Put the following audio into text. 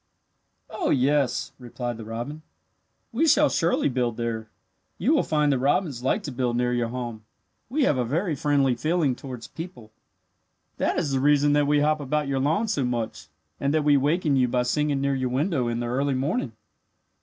"Oh, yes," replied the robin. "We shall surely build there. You will find that robins like to build near your home. We have a very friendly feeling towards people. That is the reason that we hop about your lawn so much and that we waken you by singing near your window in the early morning."